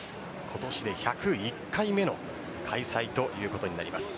今年で１０１回目の開催ということになります。